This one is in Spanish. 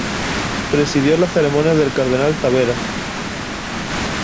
Presidió las ceremonias el cardenal Tabera.